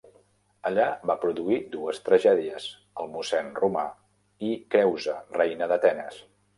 Allà va produir dues tragèdies: "El mossèn romà" i "Creusa, Reina d'Atenes".